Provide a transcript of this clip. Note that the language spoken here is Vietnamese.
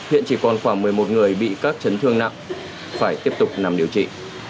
hiện chỉ còn khoảng một mươi một người bị các chấn thương nặng phải tiếp tục nằm điều trị